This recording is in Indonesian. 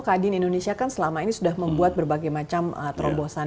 kadin indonesia kan selama ini sudah membuat berbagai macam terobosan